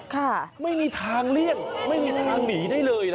ค่ะไม่มีทางเลี่ยงไม่มีทางหนีได้เลยนะ